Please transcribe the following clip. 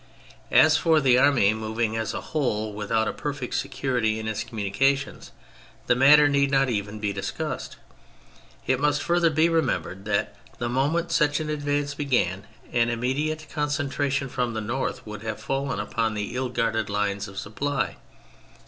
As for the army moving as a whole witnout a perfect security in its communications, the matter need not even be discussed ; and it must further be remembered that, the moment such an advance began, an immediate concentration from the north would have fallen upon the ill guarded lines of supply.